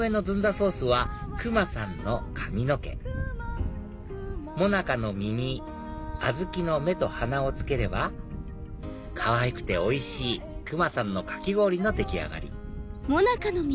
ソースはクマさんの髪の毛もなかの耳小豆の目と鼻を付ければかわいくておいしいクマさんのかき氷の出来上がり